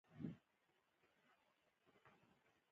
د کیلې پوستکي د غاښونو لپاره دي.